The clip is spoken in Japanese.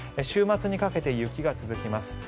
週末にかけて雪が続きます。